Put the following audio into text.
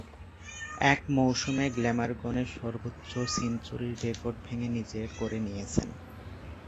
এক মৌসুমে গ্ল্যামারগনের সর্বোচ্চ সেঞ্চুরির রেকর্ড ভেঙে নিজের করে নিয়েছেন।